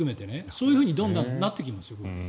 そういうふうにどんどんなっていきますよ。